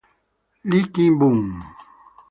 Lee Ki-bum